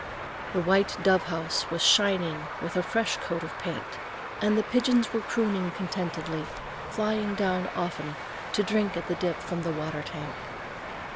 The white dove house was shining with a fresh coat of paint, and the pigeons were crooning contentedly, flying down often to drink at the drip from the water tank.